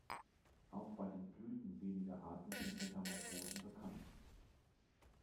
Auch bei den Blüten weniger Arten sind Metamorphosen bekannt.